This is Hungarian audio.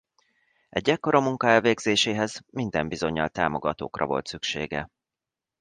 Egy ekkora munka elvégzéséhez minden bizonnyal támogatóra volt szüksége.